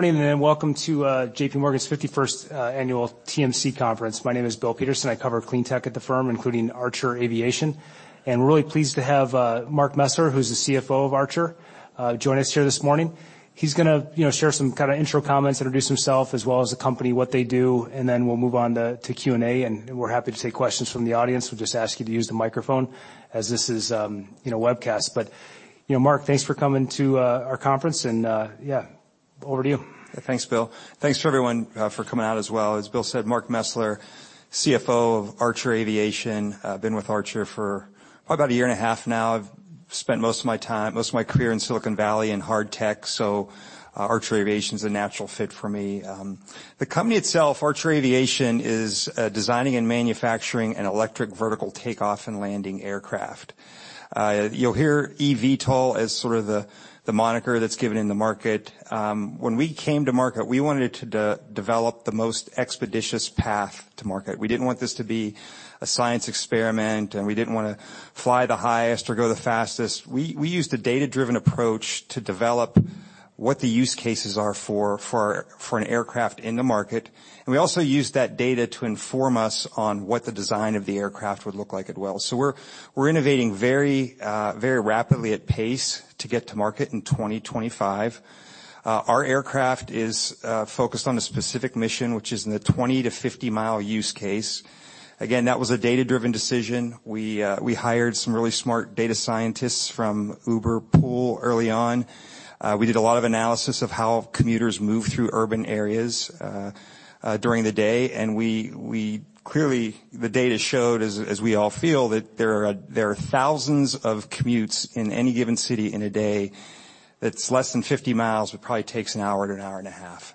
Good morning, and welcome to J.P. Morgan's 51st annual TMC conference. My name is Bill Peterson. I cover cleantech at the firm, including Archer Aviation. We're really pleased to have Mark Mesler, who's the CFO of Archer, join us here this morning. He's gonna, you know, share some kinda intro comments, introduce himself as well as the company, what they do, and then we'll move on to Q&A, and we're happy to take questions from the audience. We just ask you to use the microphone as this is, you know, webcast. You know, Mark, thanks for coming to our conference, and yeah, over to you. Thanks, Bill. Thanks for everyone for coming out as well. As Bill said, Mark Mesler, CFO of Archer Aviation. Been with Archer for probably about a year and a half now. I've spent most of my time, most of my career in Silicon Valley in hard tech, so Archer Aviation's a natural fit for me. The company itself, Archer Aviation, is designing and manufacturing an electric vertical takeoff and landing aircraft. You'll hear eVTOL as sort of the moniker that's given in the market. When we came to market, we wanted to de-develop the most expeditious path to market. We didn't want this to be a science experiment, and we didn't wanna fly the highest or go the fastest. We used a data-driven approach to develop what the use cases are for an aircraft in the market, and we also used that data to inform us on what the design of the aircraft would look like as well. We're innovating very rapidly at pace to get to market in 2025. Our aircraft is focused on a specific mission, which is in the 20 to 50-mile use case. Again, that was a data-driven decision. We hired some really smart data scientists from UberPOOL early on. We did a lot of analysis of how commuters move through urban areas during the day, and we clearly, the data showed, as we all feel, that there are thousands of commutes in any given city in a day that's less than 50 miles. It probably takes an hour to an hour and a half.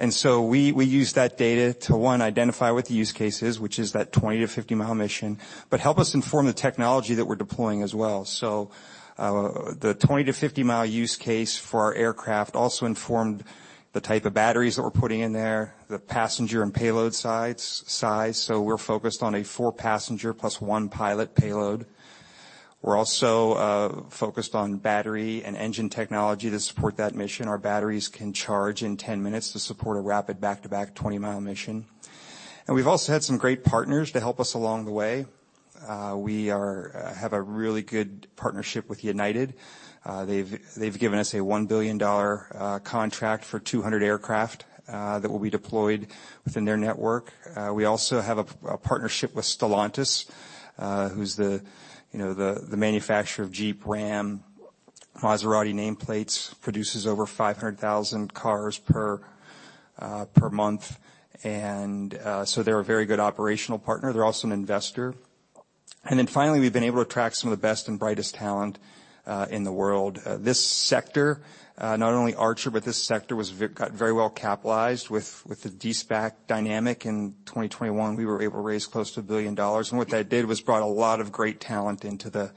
We used that data to, one, identify what the use case is, which is that 20-50-mile mission, but help us inform the technology that we're deploying as well. The 20-50-mile use case for our aircraft also informed the type of batteries that we're putting in there, the passenger and payload size. We're focused on a 4-passenger plus 1 pilot payload. We're also focused on battery and engine technology to support that mission. Our batteries can charge in 10 minutes to support a rapid back-to-back 20-mile mission. We've also had some great partners to help us along the way. We have a really good partnership with United. They've given us a $1 billion contract for 200 aircraft that will be deployed within their network. We also have a partnership with Stellantis, who's the, you know, the manufacturer of Jeep, Ram, Maserati nameplates. Produces over 500,000 cars per month. They're a very good operational partner. They're also an investor. Finally, we've been able to attract some of the best and brightest talent in the world. This sector, not only Archer, but this sector got very well capitalized. With the De-SPAC dynamic in 2021, we were able to raise close to $1 billion, and what that did was brought a lot of great talent into the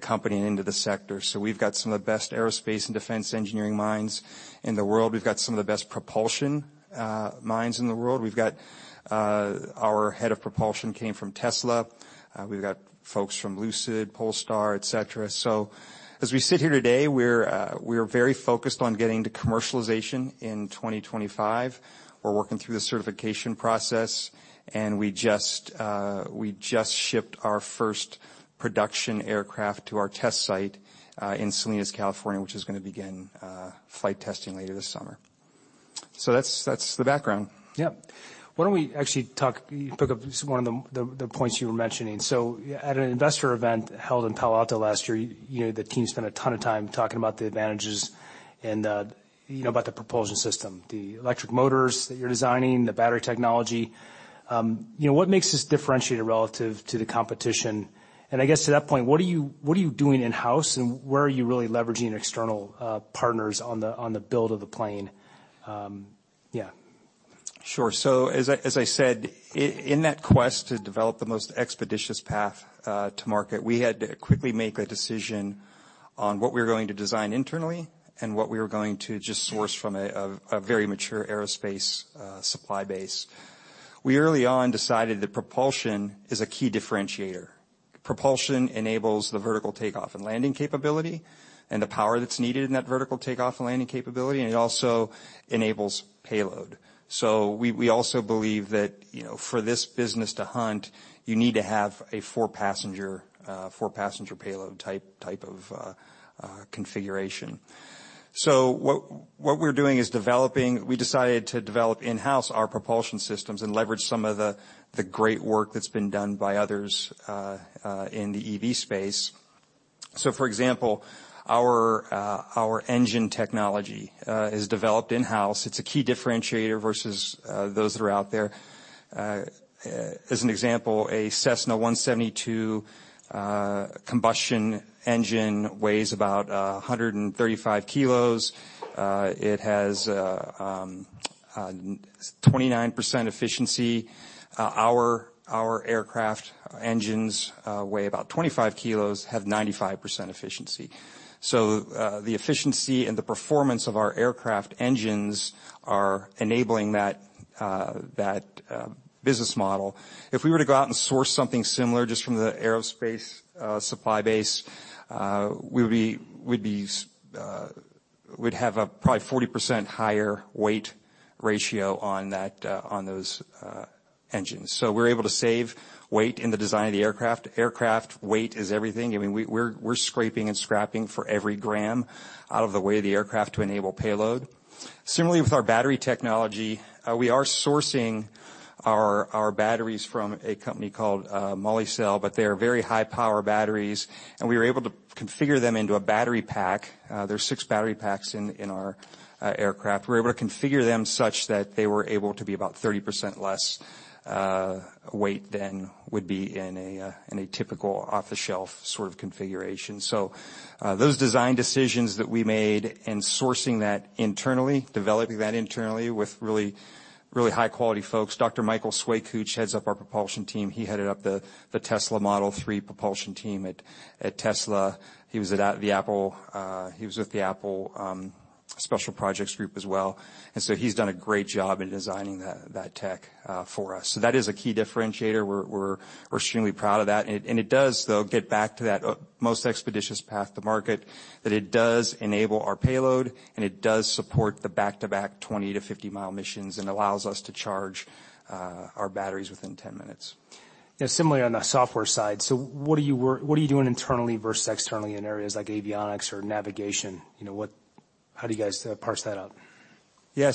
company and into the sector. We've got some of the best aerospace and defense engineering minds in the world. We've got some of the best propulsion minds in the world. We've got our head of propulsion came from Tesla. We've got folks from Lucid, Polestar, et cetera. As we sit here today, we're very focused on getting to commercialization in 2025. We're working through the certification process, and we just shipped our first production aircraft to our test site in Salinas, California, which is gonna begin flight testing later this summer. That's the background. Yep. Why don't we actually pick up one of the points you were mentioning. At an investor event held in Palo Alto last year, you know, the team spent a ton of time talking about the advantages and, you know, about the propulsion system, the electric motors that you're designing, the battery technology. You know, what makes this differentiated relative to the competition? I guess to that point, what are you, what are you doing in-house, and where are you really leveraging external partners on the, on the build of the plane? Yeah. Sure. As I said, in that quest to develop the most expeditious path to market, we had to quickly make a decision on what we were going to design internally and what we were going to just source from a very mature aerospace supply base. We early on decided that propulsion is a key differentiator. Propulsion enables the vertical takeoff and landing capability and the power that's needed in that vertical takeoff and landing capability, and it also enables payload. We also believe that, you know, for this business to hunt, you need to have a four-passenger payload type of configuration. What we're doing is we decided to develop in-house our propulsion systems and leverage some of the great work that's been done by others in the EV space. For example, our engine technology is developed in-house. It's a key differentiator versus those that are out there. As an example, a Cessna 172 combustion engine weighs about 135 kilos. It has 29% efficiency. Our aircraft engines weigh about 25 kilos, have 95% efficiency. The efficiency and the performance of our aircraft engines are enabling that business model. If we were to go out and source something similar just from the aerospace supply base, we would be, we'd have a probably 40% higher weight ratio on that, on those engines. We're able to save weight in the design of the aircraft. Aircraft weight is everything. I mean, we're scraping and scrapping for every gram out of the way of the aircraft to enable payload. Similarly with our battery technology, we are sourcing our batteries from a company called Molicel, but they are very high power batteries, and we are able to configure them into a battery pack. There's 6 battery packs in our aircraft. We're able to configure them such that they were able to be about 30% less weight than would be in a typical off-the-shelf sort of configuration. Those design decisions that we made and sourcing that internally, developing that internally with really, really high quality folks. Dr. Michael Schwekutsch heads up our propulsion team. He headed up the Tesla Model 3 propulsion team at Tesla. He was with the Apple special projects group as well. He's done a great job in designing that tech for us. That is a key differentiator. We're extremely proud of that. It does, though, get back to that most expeditious path to market, that it does enable our payload and it does support the back-to-back 20-50-mile missions and allows us to charge our batteries within 10 minutes. Yeah. Similarly on the software side, what are you doing internally versus externally in areas like avionics or navigation? You know, How do you guys parse that out? Yeah.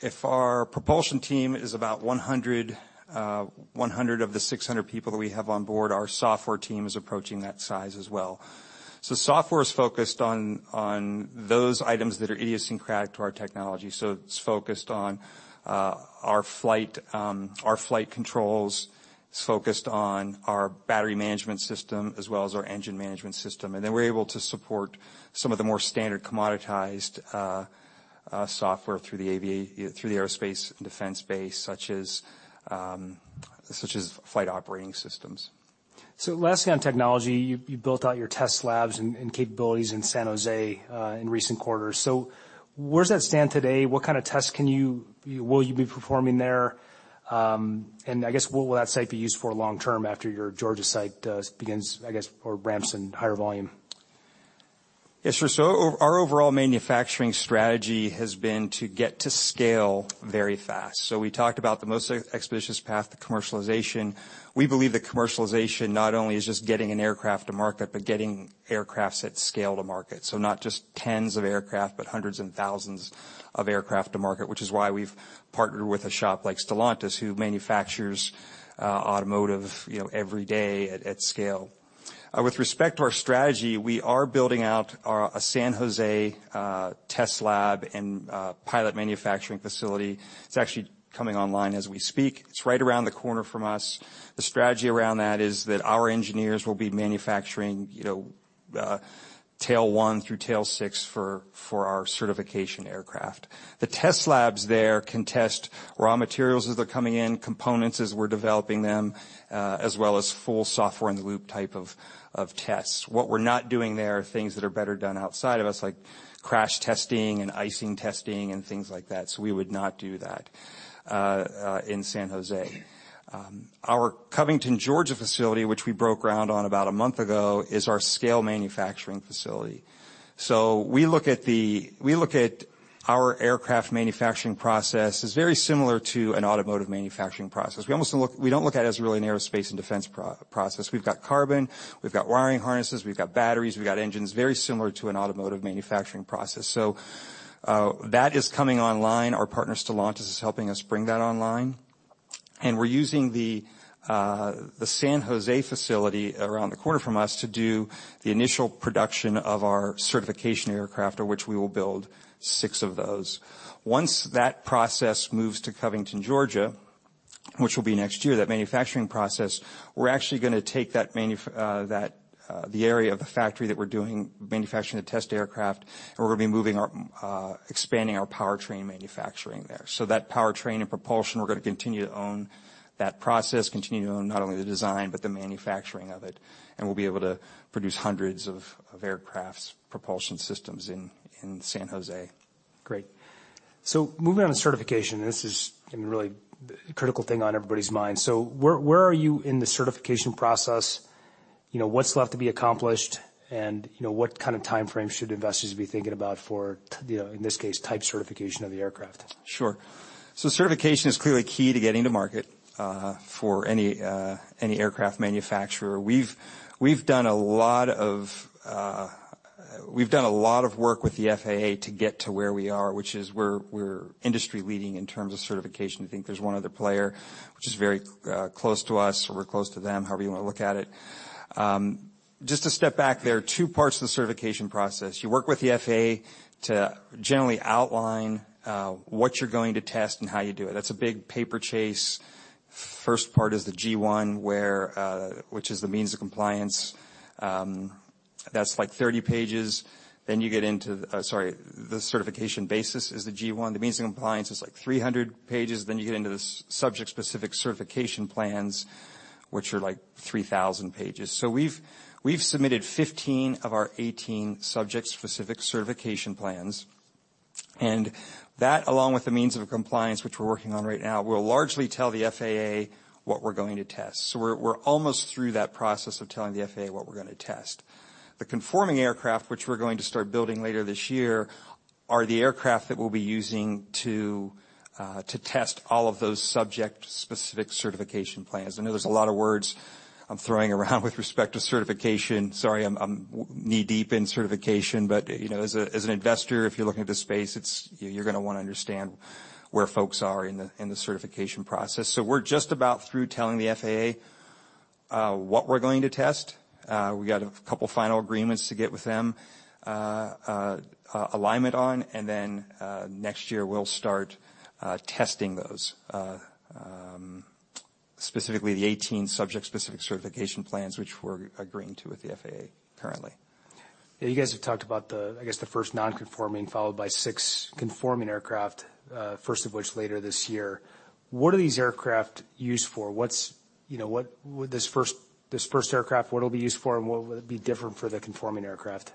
If our propulsion team is about 100 of the 600 people that we have on board, our software team is approaching that size as well. Software is focused on those items that are idiosyncratic to our technology. It's focused on our flight, our flight controls. It's focused on our battery management system as well as our engine management system. We're able to support some of the more standard commoditized software through the aerospace and defense base, such as flight operating systems. Lastly on technology, you built out your test labs and capabilities in San Jose in recent quarters. Where does that stand today? What kind of tests can you, will you be performing there? I guess, what will that site be used for long term after your Georgia site begins, I guess, or ramps in higher volume? Yes, sure. Our overall manufacturing strategy has been to get to scale very fast. We talked about the most expeditious path to commercialization. We believe that commercialization not only is just getting an aircraft to market, but getting aircrafts at scale to market. Not just 10s of aircraft, but hundreds and thousands of aircraft to market, which is why we've partnered with a shop like Stellantis, who manufactures automotive, you know, every day at scale. With respect to our strategy, we are building out our San Jose test lab and pilot manufacturing facility. It's actually coming online as we speak. It's right around the corner from us. The strategy around that is that our engineers will be manufacturing, you know, tail 1 through tail 6 for our certification aircraft. The test labs there can test raw materials as they're coming in, components as we're developing them, as well as full software-in-the-loop type of tests. What we're not doing there are things that are better done outside of us, like crash testing and icing testing and things like that. We would not do that in San Jose. Our Covington, Georgia facility, which we broke ground on about 1 month ago, is our scale manufacturing facility. We look at our aircraft manufacturing process as very similar to an automotive manufacturing process. We don't look at it as really an aerospace and defense process. We've got carbon, we've got wiring harnesses, we've got batteries, we've got engines, very similar to an automotive manufacturing process. That is coming online. Our partner, Stellantis, is helping us bring that online. We're using the San Jose facility around the corner from us to do the initial production of our certification aircraft, of which we will build six of those. Once that process moves to Covington, Georgia, which will be next year, that manufacturing process, we're actually gonna take that the area of the factory that we're doing manufacturing the test aircraft and we're gonna be moving our expanding our powertrain manufacturing there. That powertrain and propulsion, we're gonna continue to own that process, continue to own not only the design, but the manufacturing of it, and we'll be able to produce hundreds of aircrafts' propulsion systems in San Jose. Great. Moving on to certification, this is, I mean, really the critical thing on everybody's mind. Where are you in the certification process? You know, what's left to be accomplished? You know, what kind of timeframe should investors be thinking about for, you know, in this case, type certification of the aircraft? Sure. Certification is clearly key to getting to market for any aircraft manufacturer. We've done a lot of work with the FAA to get to where we are, which is we're industry leading in terms of certification. I think there's one other player which is very close to us, or we're close to them, however you wanna look at it. Just to step back, there are two parts to the certification process. You work with the FAA to generally outline what you're going to test and how you do it. That's a big paper chase. First part is the G-1, where which is the means of compliance. That's like 30 pages. You get into. Sorry, the certification basis is the G-1. The means of compliance is like 300 pages. You get into the subject-specific certification plans, which are like 3,000 pages. So we've submitted 15 of our 18 subject-specific certification plans, and that along with the means of compliance, which we're working on right now, will largely tell the FAA what we're going to test. So we're almost through that process of telling the FAA what we're gonna test. The conforming aircraft, which we're going to start building later this year, are the aircraft that we'll be using to test all of those subject-specific certification plans. I know there's a lot of words I'm throwing around with respect to certification. Sorry, I'm knee-deep in certification, but, you know, as an investor, if you're looking at this space, it's, you're gonna wanna understand where folks are in the certification process. We're just about through telling the FAA what we're going to test. We got a couple final agreements to get with them, alignment on, and then next year, we'll start testing those. Specifically the 18 subject-specific certification plans which we're agreeing to with the FAA currently. Yeah, you guys have talked about the, I guess, the first non-conforming followed by six conforming aircraft, first of which later this year. What are these aircraft used for? You know, what would this first aircraft, what it'll be used for and what would be different for the conforming aircraft?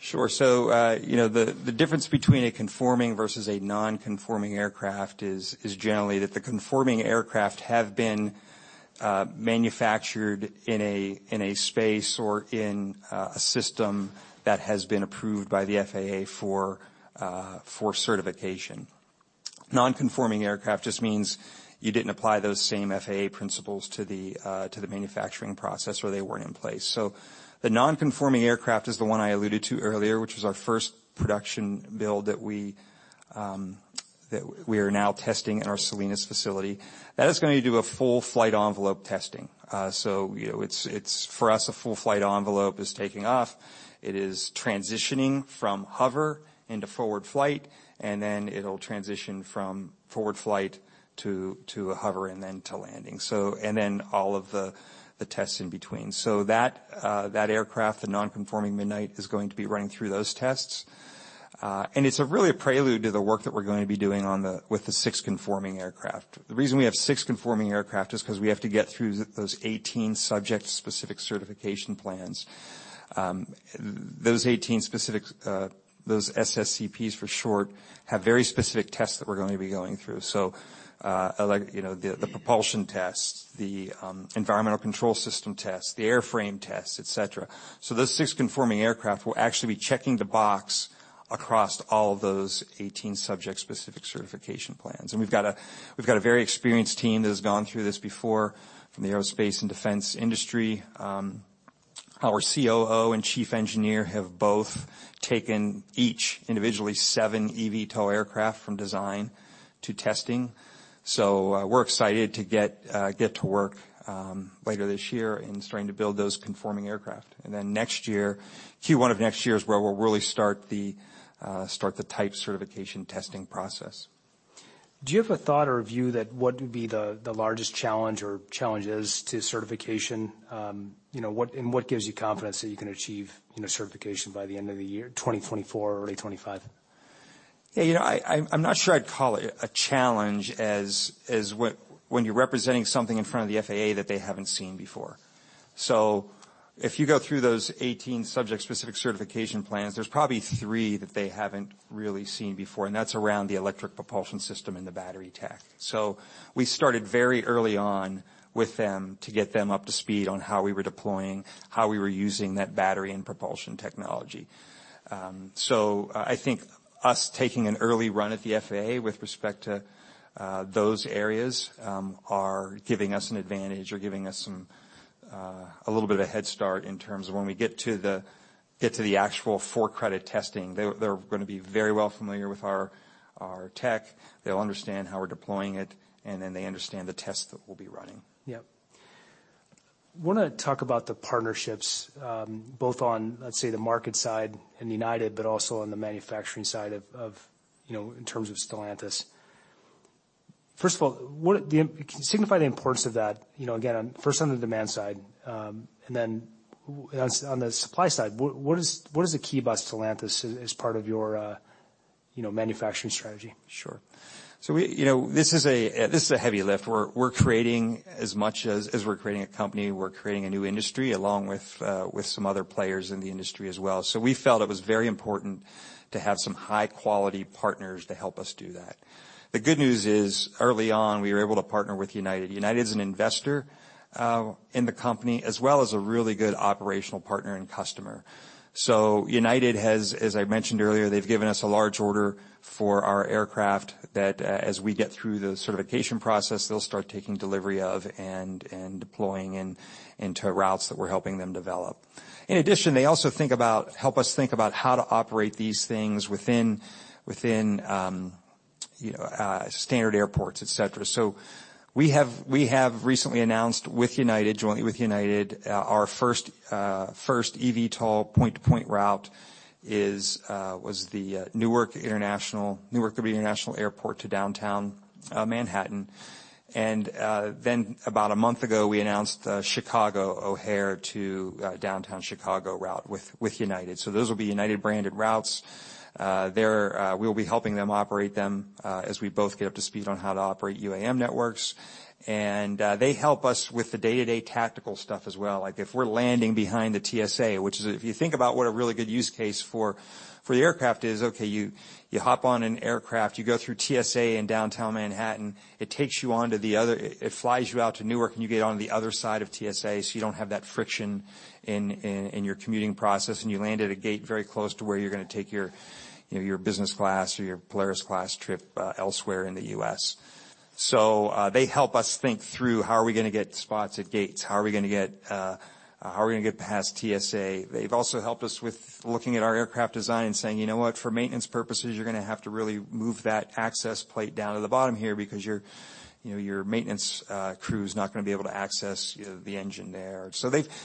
Sure. You know, the difference between a conforming versus a non-conforming aircraft is generally that the conforming aircraft have been manufactured in a space or in a system that has been approved by the FAA for certification. Non-conforming aircraft just means you didn't apply those same FAA principles to the manufacturing process or they weren't in place. The non-conforming aircraft is the one I alluded to earlier, which was our first production build that we are now testing in our Salinas facility. That is gonna do a full flight envelope testing. You know, for us, a full flight envelope is taking off, it is transitioning from hover into forward flight, and then it'll transition from forward flight to a hover and then to landing. All of the tests in between. That aircraft, the non-conforming Midnight, is going to be running through those tests. It's really a prelude to the work that we're going to be doing with the 6 conforming aircraft. The reason we have 6 conforming aircraft is because we have to get through those 18 subject-specific certification plans. Those 18 specific, those SSCPs for short, have very specific tests that we're going to be going through. Like, you know, the propulsion tests, the environmental control system tests, the airframe tests, et cetera. Those 6 conforming aircraft will actually be checking the box across all of those 18 subject-specific certification plans. We've got a very experienced team that has gone through this before from the aerospace and defense industry. Our COO and chief engineer have both taken each individually 7 eVTOL aircraft from design to testing. We're excited to get to work later this year in starting to build those conforming aircraft. Next year, Q1 of next year is where we'll really start the type certification testing process. Do you have a thought or a view that what would be the largest challenge or challenges to certification? You know, what gives you confidence that you can achieve, you know, certification by the end of the year, 2024 or early 25? You know, I'm not sure I'd call it a challenge as what, when you're representing something in front of the FAA that they haven't seen before. If you go through those 18 subject-specific certification plans, there's probably 3 that they haven't really seen before, and that's around the electric propulsion system and the battery tech. We started very early on with them to get them up to speed on how we were deploying, how we were using that battery and propulsion technology. I think us taking an early run at the FAA with respect to those areas are giving us an advantage or giving us some a little bit of a head start in terms of when we get to the actual for-credit testing. They're gonna be very well familiar with our tech. They'll understand how we're deploying it, and then they understand the tests that we'll be running. Yep. Wanna talk about the partnerships, both on, let's say, the market side in United, but also on the manufacturing side of, you know, in terms of Stellantis. First of all, Can you signify the importance of that, you know, again, on, first on the demand side, and then on the supply side, what is the key about Stellantis as part of your, you know, manufacturing strategy? Sure. We, you know, this is a heavy lift. We're creating as much as we're creating a company, we're creating a new industry along with some other players in the industry as well. We felt it was very important to have some high-quality partners to help us do that. The good news is, early on, we were able to partner with United. United is an investor in the company, as well as a really good operational partner and customer. United has, as I mentioned earlier, they've given us a large order for our aircraft that, as we get through the certification process, they'll start taking delivery of and deploying into routes that we're helping them develop. In addition, they also think about, help us think about how to operate these things within, you know, standard airports, et cetera. We have recently announced with United, jointly with United, our first eVTOL point-to-point route is the Newark Liberty International Airport to downtown Manhattan. Then about a month ago, we announced Chicago O'Hare to Downtown Chicago route with United. Those will be United-branded routes. We'll be helping them operate them as we both get up to speed on how to operate UAM networks. They help us with the day-to-day tactical stuff as well. Like, if we're landing behind the TSA, which is if you think about what a really good use case for the aircraft is, okay, you hop on an aircraft, you go through TSA in downtown Manhattan, it flies you out to Newark, and you get on the other side of TSA, so you don't have that friction in your commuting process, and you land at a gate very close to where you're gonna take your, you know, your business class or your Polaris class trip elsewhere in the U.S. They help us think through how are we gonna get spots at gates? How are we gonna get past TSA? They've also helped us with looking at our aircraft design and saying, "You know what? For maintenance purposes, you're gonna have to really move that access plate down to the bottom here because your, you know, your maintenance crew is not gonna be able to access, you know, the engine there.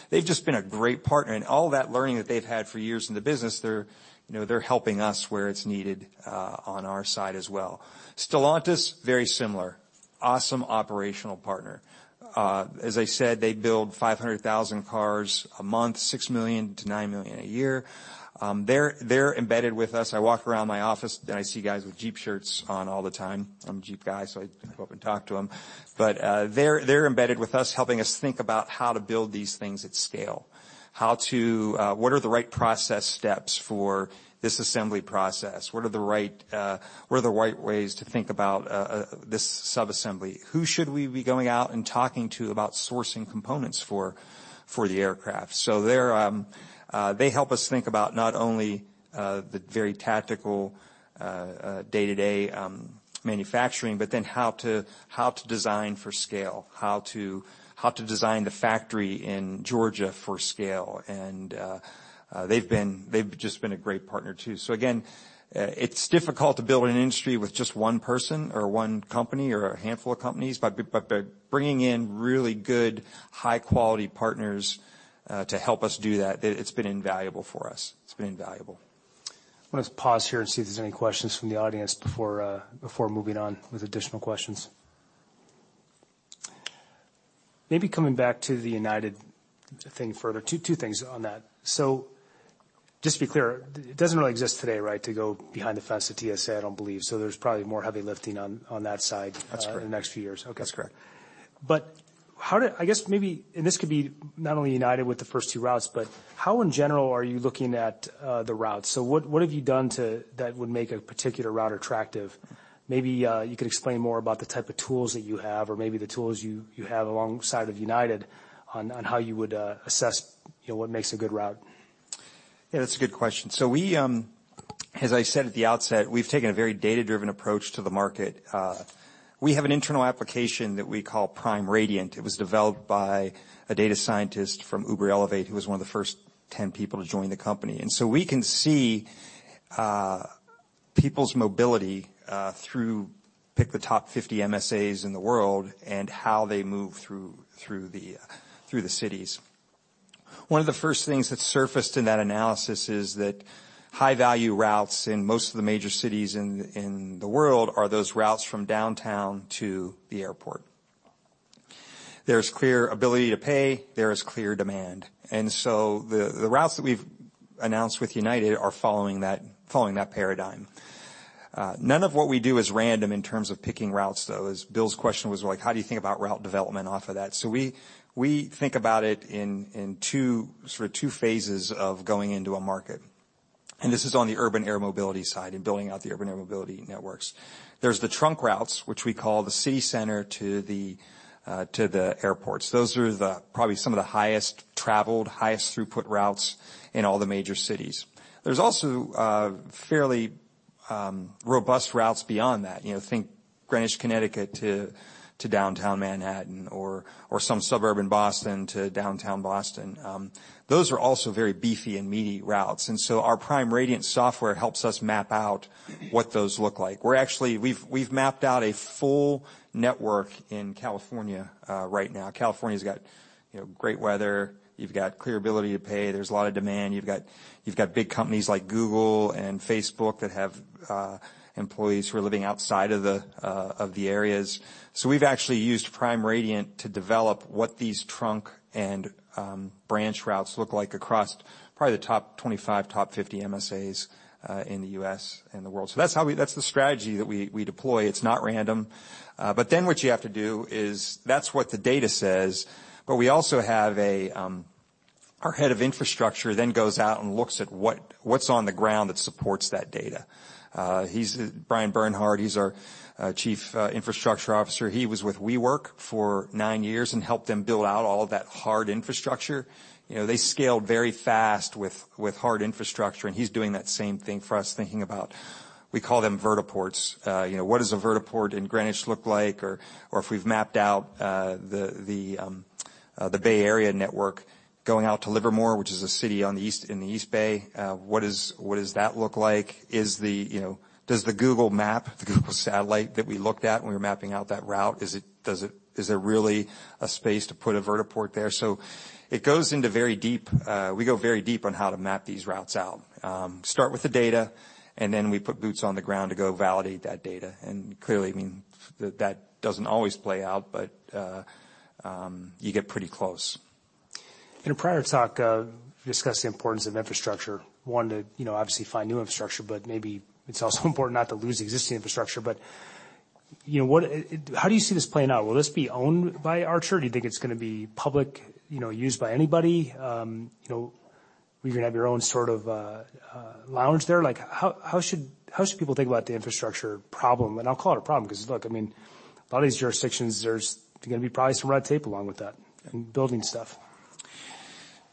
They've just been a great partner. All that learning that they've had for years in the business, they're, you know, helping us where it's needed on our side as well. Stellantis, very similar. Awesome operational partner. As I said, they build 500,000 cars a month, 6 million-9 million a year. They're embedded with us. I walk around my office, and I see guys with Jeep shirts on all the time. I'm a Jeep guy, so I go up and talk to them. They're embedded with us, helping us think about how to build these things at scale. How to... What are the right process steps for this assembly process? What are the right, what are the right ways to think about this sub-assembly? Who should we be going out and talking to about sourcing components for the aircraft? They help us think about not only the very tactical day-to-day manufacturing, but then how to design for scale. How to design the factory in Georgia for scale. They've just been a great partner too. Again, it's difficult to build an industry with just one person or one company or a handful of companies, but by bringing in really good, high-quality partners to help us do that, it's been invaluable for us. It's been invaluable. I want to pause here and see if there's any questions from the audience before moving on with additional questions. Maybe coming back to the United thing further. Two things on that. Just to be clear, it doesn't really exist today, right, to go behind the fence at TSA, I don't believe. There's probably more heavy lifting on that side. That's correct. In the next few years. Okay. That's correct. How do I guess maybe, and this could be not only United Airlines with the first two routes, but how in general are you looking at the routes? What, what have you done that would make a particular route attractive? Maybe you could explain more about the type of tools that you have or maybe the tools you have alongside of United Airlines on how you would assess, you know, what makes a good route. Yeah, that's a good question. We, as I said at the outset, we've taken a very data-driven approach to the market. We have an internal application that we call Prime Radiant. It was developed by a data scientist from Uber Elevate, who was one of the first 10 people to join the company. We can see people's mobility through pick the top 50 MSAs in the world and how they move through the cities. One of the first things that surfaced in that analysis is that high-value routes in most of the major cities in the world are those routes from downtown to the airport. There's clear ability to pay, there is clear demand. The routes that we've announced with United are following that paradigm. None of what we do is random in terms of picking routes, though. As Bill's question was like, how do you think about route development off of that? We think about it in two phases of going into a market. This is on the urban air mobility side and building out the urban air mobility networks. There's the trunk routes, which we call the city center to the airports. Those are probably some of the highest traveled, highest throughput routes in all the major cities. There's also fairly robust routes beyond that. You know, think Greenwich, Connecticut to downtown Manhattan or some suburb in Boston to downtown Boston. Those are also very beefy and meaty routes. Our Prime Radiant software helps us map out what those look like. We've mapped out a full network in California right now. California's got, you know, great weather. You've got clear ability to pay. There's a lot of demand. You've got big companies like Google and Facebook that have employees who are living outside of the areas. We've actually used Prime Radiant to develop what these trunk and branch routes look like across probably the top 25, top 50 MSAs in the US and the world. That's the strategy that we deploy. It's not random. What you have to do is that's what the data says. We also have a... Our head of infrastructure then goes out and looks at what's on the ground that supports that data. He's Bryan Bernhard. He's our Chief Infrastructure Officer. He was with WeWork for nine years and helped them build out all of that hard infrastructure. You know, they scaled very fast with hard infrastructure, and he's doing that same thing for us, thinking about, we call them vertiports. You know, what does a vertiport in Greenwich look like? Or if we've mapped out the Bay Area network going out to Livermore, which is a city in the East Bay, what does that look like? Is the, you know, does the Google Map, the Google satellite that we looked at when we were mapping out that route, is there really a space to put a vertiport there? We go very deep on how to map these routes out. Start with the data, and then we put boots on the ground to go validate that data. Clearly, I mean, that doesn't always play out, but, you get pretty close. In a prior talk, you discussed the importance of infrastructure. One, to, you know, obviously find new infrastructure, but maybe it's also important not to lose existing infrastructure. You know, what, how do you see this playing out? Will this be owned by Archer? Do you think it's gonna be public, you know, used by anybody? You know, are you gonna have your own sort of lounge there? Like, how should people think about the infrastructure problem? I'll call it a problem because, look, I mean, a lot of these jurisdictions, there's gonna be probably some red tape along with that in building stuff.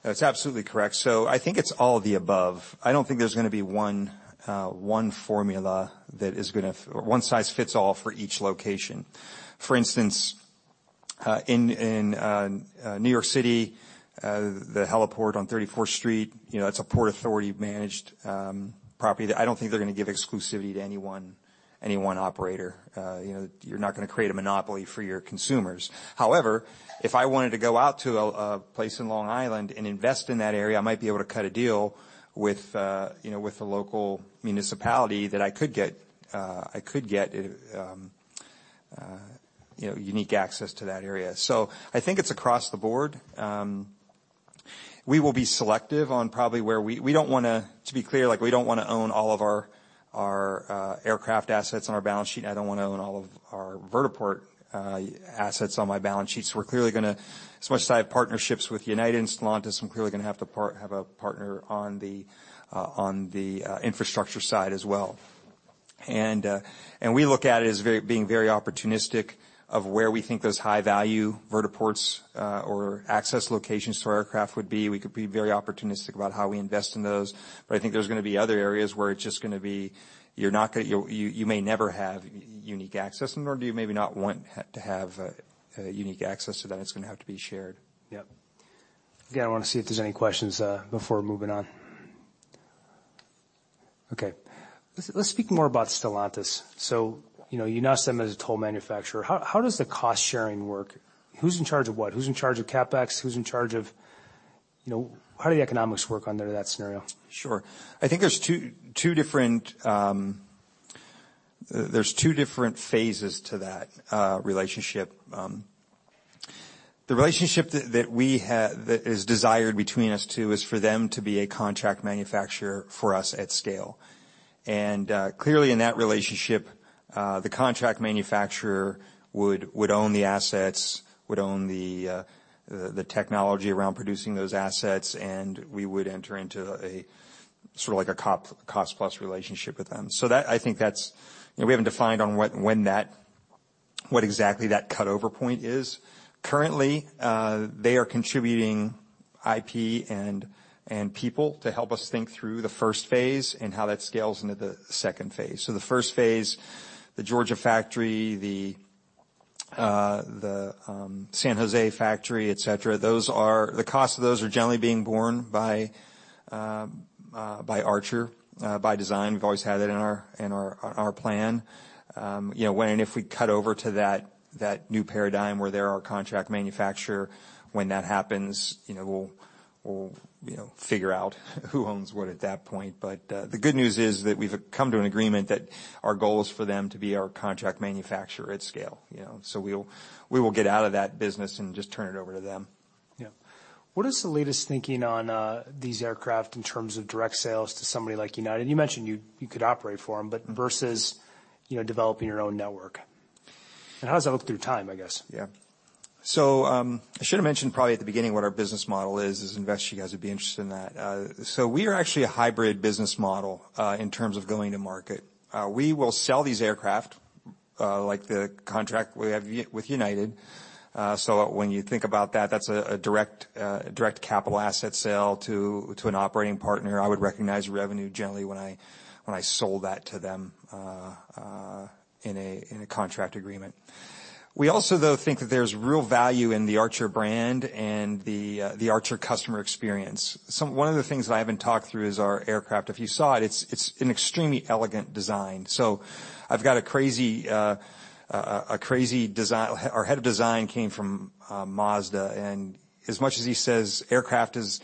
That's absolutely correct. I think it's all of the above. I don't think there's gonna be one formula that is gonna or one size fits all for each location. For instance, in New York City, the heliport on Thirty-Fourth Street, you know, that's a Port Authority managed property that I don't think they're gonna give exclusivity to any one operator. You know, you're not gonna create a monopoly for your consumers. However, if I wanted to go out to a place in Long Island and invest in that area, I might be able to cut a deal with, you know, with the local municipality that I could get, I could get, you know, unique access to that area. I think it's across the board. To be clear, like, we don't wanna own all of our aircraft assets on our balance sheet. I don't wanna own all of our vertiport assets on my balance sheets. As much as I have partnerships with United and Stellantis, I'm clearly gonna have a partner on the infrastructure side as well. We look at it as being very opportunistic of where we think those high-value vertiports or access locations to our aircraft would be. We could be very opportunistic about how we invest in those. I think there's gonna be other areas where it's just gonna be you're not you may never have unique access, nor do you maybe not want to have unique access to that, and it's gonna have to be shared. Yep. Again, I wanna see if there's any questions before moving on. Okay. Let's speak more about Stellantis. You know, you announced them as a toll manufacturer. How does the cost-sharing work? Who's in charge of what? Who's in charge of CapEx? Who's in charge of, you know... How do the economics work under that scenario? Sure. I think there's two different phases to that relationship. The relationship that is desired between us two is for them to be a contract manufacturer for us at scale. Clearly in that relationship, the contract manufacturer would own the assets, would own the technology around producing those assets, and we would enter into a sort of like a cost-plus relationship with them. That, I think that's... You know, we haven't defined on what, when that, what exactly that cut-over point is. Currently, they are contributing IP and people to help us think through the first phase and how that scales into the second phase. The first phase, the Georgia factory, the San Jose factory, et cetera, the cost of those are generally being borne by Archer by design. We've always had that in our plan. You know, when and if we cut over to that new paradigm where they're our contract manufacturer, when that happens, you know, we'll, you know, figure out who owns what at that point. The good news is that we've come to an agreement that our goal is for them to be our contract manufacturer at scale, you know? We'll, we will get out of that business and just turn it over to them. Yeah. What is the latest thinking on these aircraft in terms of direct sales to somebody like United? You mentioned you could operate for them, but versus, you know, developing your own network. How does that look through time, I guess? I should have mentioned probably at the beginning what our business model is, as investors you guys would be interested in that. We are actually a hybrid business model in terms of going to market. We will sell these aircraft like the contract we have with United. When you think about that's a direct, a direct capital asset sale to an operating partner. I would recognize revenue generally when I sold that to them in a contract agreement. We also, though, think that there's real value in the Archer brand and the Archer customer experience. One of the things that I haven't talked through is our aircraft. If you saw it's an extremely elegant design. I've got a crazy design. Our head of design came from Mazda, and as much as he says aircraft is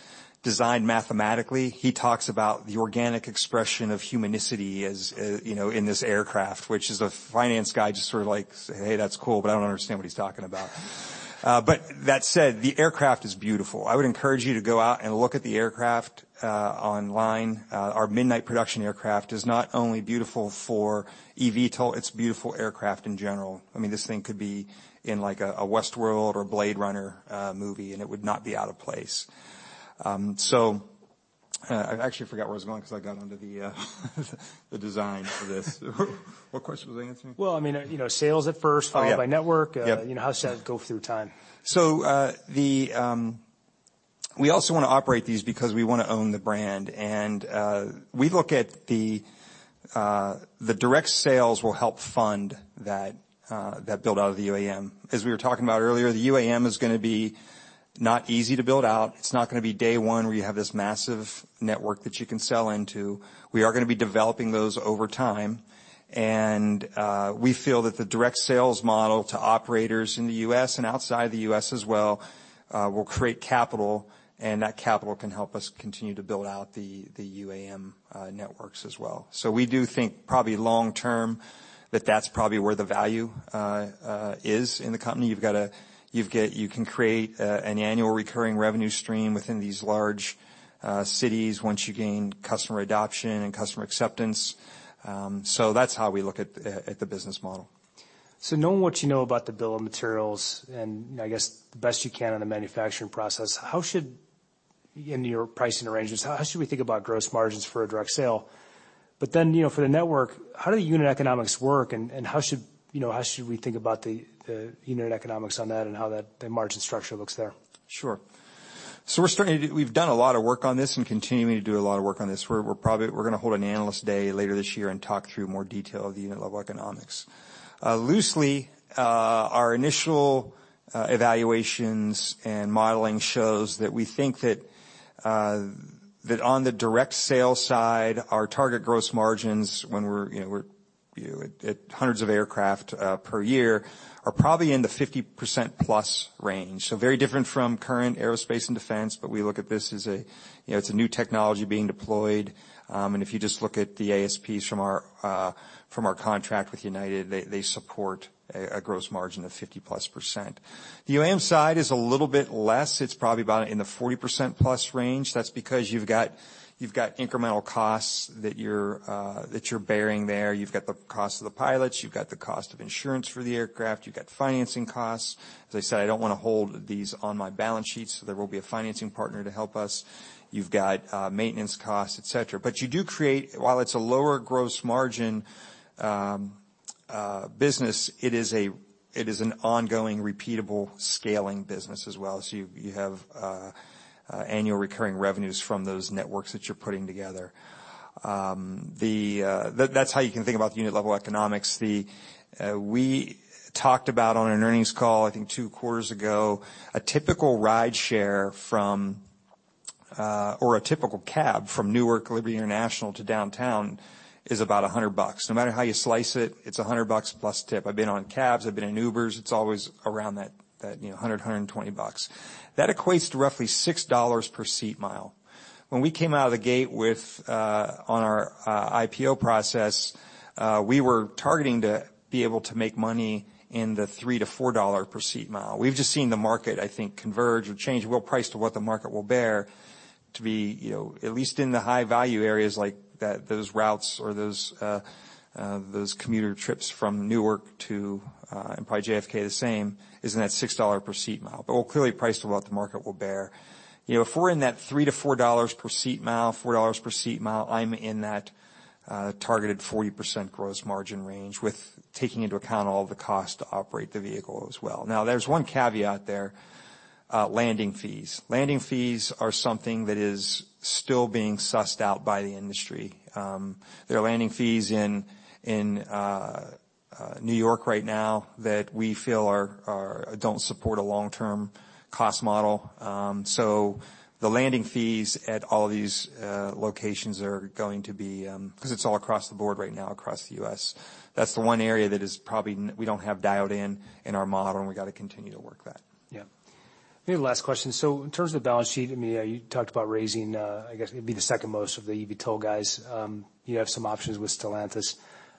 designed mathematically, he talks about the organic expression of humanicity, you know, in this aircraft, which as a finance guy, just sort of like say, "Hey, that's cool," but I don't understand what he's talking about. That said, the aircraft is beautiful. I would encourage you to go out and look at the aircraft online. Our Midnight production aircraft is not only beautiful for eVTOL, it's a beautiful aircraft in general. I mean, this thing could be in like a Westworld or Blade Runner movie, and it would not be out of place. I actually forgot where I was going because I got onto the design for this. What question was I answering? Well, I mean, you know, sales at first- Oh, yeah. followed by network. Yep. You know, how does that go through time? We also want to operate these because we want to own the brand. We look at the direct sales will help fund that build-out of the UAM. As we were talking about earlier, the UAM is gonna be not easy to build out. It's not gonna be day one where you have this massive network that you can sell into. We are gonna be developing those over time. We feel that the direct sales model to operators in the U.S. and outside the U.S. as well will create capital. That capital can help us continue to build out the UAM networks as well. We do think probably long term that that's probably where the value is in the company. You can create an annual recurring revenue stream within these large cities once you gain customer adoption and customer acceptance. That's how we look at the business model. Knowing what you know about the bill of materials, and I guess the best you can on the manufacturing process, in your pricing arrangements, how should we think about gross margins for a direct sale? You know, for the network, how do the unit economics work and how should, you know, we think about the unit economics on that and how the margin structure looks there? Sure. We've done a lot of work on this and continuing to do a lot of work on this. We're probably gonna hold an analyst day later this year and talk through more detail of the unit level economics. Loosely, our initial evaluations and modeling shows that we think that on the direct sales side, our target gross margins when we're, you know, at hundreds of aircraft per year, are probably in the 50%+ range. Very different from current aerospace and defense, but we look at this as a, you know, it's a new technology being deployed. And if you just look at the ASPs from our contract with United, they support a gross margin of 50%+. The UAM side is a little bit less. It's probably about in the 40% plus range. That's because you've got incremental costs that you're bearing there. You've got the cost of the pilots. You've got the cost of insurance for the aircraft. You've got financing costs. As I said, I don't wanna hold these on my balance sheets, so there will be a financing partner to help us. You've got maintenance costs, et cetera. While it's a lower gross margin business, it is an ongoing repeatable scaling business as well. You have annual recurring revenues from those networks that you're putting together. That's how you can think about the unit level economics. We talked about on an earnings call, I think two quarters ago, a typical rideshare from or a typical cab from Newark Liberty International to downtown is about $100. No matter how you slice it's $100 plus tip. I've been on cabs, I've been in Ubers, it's always around that, you know, $100-$120. That equates to roughly $6 per seat mile. When we came out of the gate with on our IPO process, we were targeting to be able to make money in the $3-$4 per seat mile. We've just seen the market, I think, converge or change. We'll price to what the market will bear to be, you know, at least in the high value areas like that, those routes or those commuter trips from Newark to and probably JFK the same, is in that $6 per seat mile. We'll clearly price to what the market will bear. You know, if we're in that $3-$4 per seat mile, $4 per seat mile, I'm in that targeted 40% gross margin range, with taking into account all the costs to operate the vehicle as well. There's one caveat there, landing fees. Landing fees are something that is still being sussed out by the industry. There are landing fees in New York right now that we feel are, don't support a long-term cost model. The landing fees at all of these locations are going to be 'cause it's all across the board right now across the U.S. That's the one area that we don't have dialed in our model, and we gotta continue to work that. Yeah. Maybe the last question. In terms of the balance sheet, I mean, you talked about raising, I guess it'd be the second most of the eVTOL guys. You have some options with Stellantis.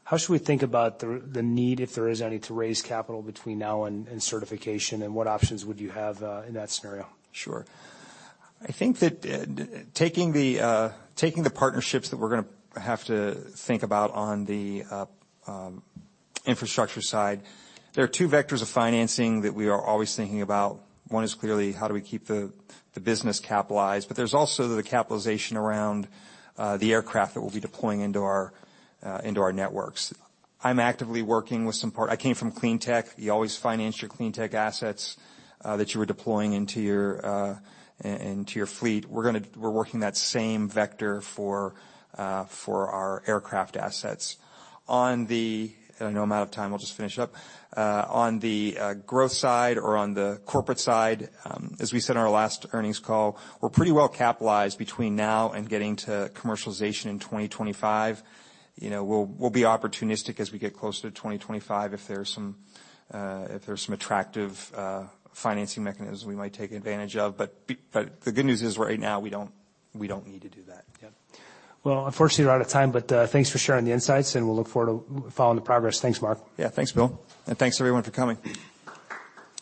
How should we think about the need, if there is any, to raise capital between now and certification, and what options would you have in that scenario? Sure. I think that, taking the partnerships that we're gonna have to think about on the infrastructure side, there are two vectors of financing that we are always thinking about. One is clearly how do we keep the business capitalized, but there's also the capitalization around the aircraft that we'll be deploying into our networks. I'm actively working with. I came from cleantech. You always finance your cleantech assets that you were deploying into your fleet. We're working that same vector for our aircraft assets. I know I'm out of time, I'll just finish up. On the growth side or on the corporate side, as we said on our last earnings call, we're pretty well capitalized between now and getting to commercialization in 2025. You know, we'll be opportunistic as we get closer to 2025 if there's some attractive financing mechanisms we might take advantage of. The good news is right now we don't need to do that. Yeah. Well, unfortunately we're out of time, but thanks for sharing the insights, and we'll look forward to following the progress. Thanks, Mark. Yeah. Thanks, Bill. Thanks everyone for coming.